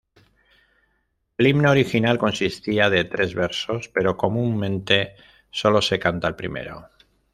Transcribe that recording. El himno original consistía de tres versos, pero comúnmente solo se canta el primero.